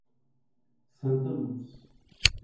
Santa Luz